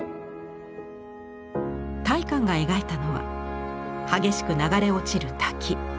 大観が描いたのは激しく流れ落ちる滝。